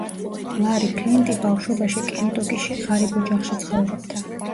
ლარი ფლინტი ბავშვობაში კენტუკიში, ღარიბ ოჯახში ცხოვრობდა.